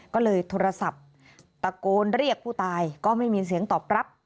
ก็เลยโทรศัพท์ตะโกนเรียกผู้ตายก็ไม่มีเสียงตอบรับ